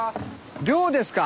漁ですか？